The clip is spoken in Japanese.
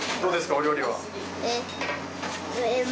お料理は。